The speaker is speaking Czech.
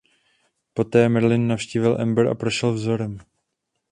Poté Merlin navštívil Amber a prošel Vzorem.